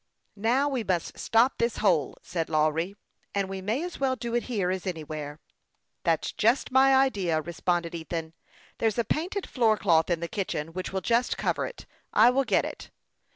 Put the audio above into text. " Now we must stop this hole," said Lawry ;" and we may as well do it here as anywhere." " That's just my idea," responded Ethan. "There's a painted floor cloth in the kitchen, which will just cover it. I will get it."